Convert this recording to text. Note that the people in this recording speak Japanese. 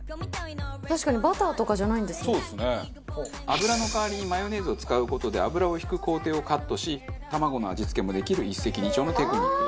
油の代わりにマヨネーズを使う事で油を引く工程をカットし卵の味付けもできる一石二鳥のテクニック。